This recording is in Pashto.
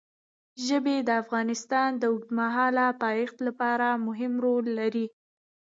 ژبې د افغانستان د اوږدمهاله پایښت لپاره مهم رول لري.